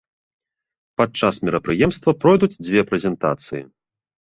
Падчас мерапрыемства пройдуць дзве прэзентацыі.